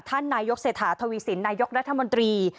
ท่านนายกเศรษฐาทวีสินนายกรัฐมนตรี